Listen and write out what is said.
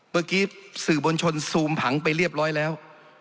เมื่อกี้สื่อบนชนซูมผังไปเรียบร้อยแล้ว